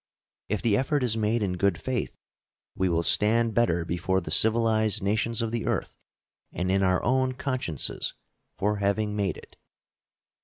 If the effort is made in good faith, we will stand better before the civilized nations of the earth and in our own consciences for having made it.